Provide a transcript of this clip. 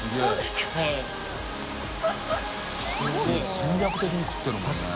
戦略的に食ってるもんね。